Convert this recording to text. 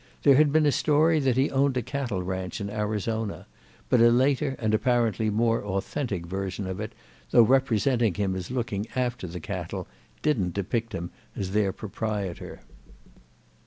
There had been a story that he owned a cattle ranch in Arizona; but a later and apparently more authentic version of it, though representing him as looking after the cattle, didn't depict him as their proprietor.